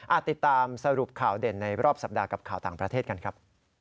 ติดตามสรุปข่าวเด่นในรอบสัปดาห์กับข่าวต่างประเทศกันครับ